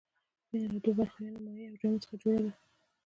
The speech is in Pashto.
وینه له دوو برخو یعنې مایع او جامد څخه جوړه ده.